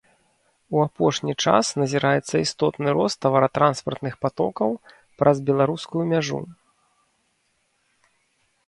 У апошні час назіраецца істотны рост таваратранспартных патокаў праз беларускую мяжу.